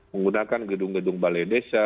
menggunakan gedung gedung balai desa